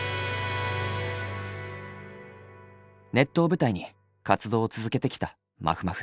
ネットを舞台に活動を続けてきたまふまふ。